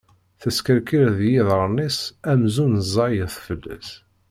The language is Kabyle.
Teskerkir deg yiḍarren-is amzun ẓẓayit fell-as.